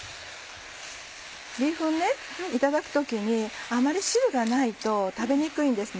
ビーフンいただく時にあまり汁がないと食べにくいんです。